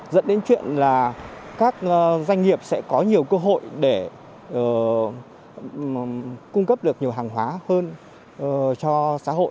dẫn đến chuyện là các doanh nghiệp sẽ có nhiều cơ hội để cung cấp được nhiều hàng hóa hơn cho xã hội